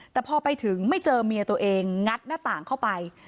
แต่พอไปถึงไม่เจอเมียตัวเองงัดหน้าต่างเข้าไป